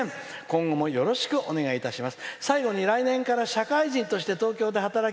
今後もよろしくお願いします。